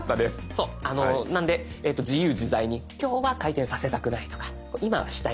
そうなんで自由自在に今日は回転させたくないとか今はしたいんだ。